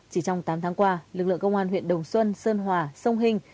chỉ trong tám tháng qua lực lượng công an huyện đồng xuân sơn hòa sông hình